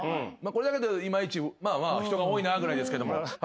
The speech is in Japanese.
これだけではいまいち人が多いなぐらいですけど。